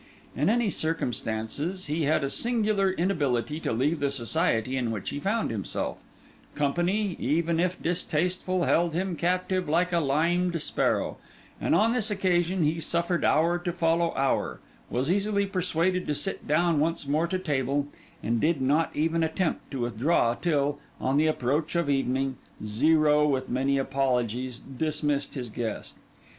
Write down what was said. In any circumstances, he had a singular inability to leave the society in which he found himself; company, even if distasteful, held him captive like a limed sparrow; and on this occasion, he suffered hour to follow hour, was easily persuaded to sit down once more to table, and did not even attempt to withdraw till, on the approach of evening, Zero, with many apologies, dismissed his guest.